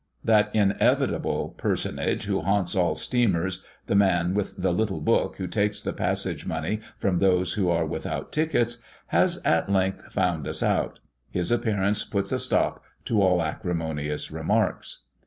That inevitable personage who haunts all steamers the man with the little book who takes the passage money from those who are without tickets, has at length found us out. His appearance puts a stop to all acrimonious remarks.